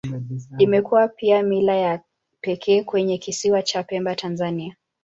Imekuwa pia mila ya pekee kwenye Kisiwa cha Pemba, Tanzania.